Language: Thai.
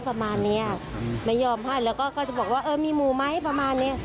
ประมาณเนี้ยไม่ยอมให้แล้วก็ก็จะบอกว่าเออมีหมู่ไหมประมาณเนี้ย